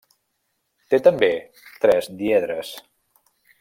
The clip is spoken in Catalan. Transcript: Té també tres diedres.